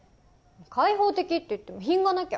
開放的って言っても品がなきゃ。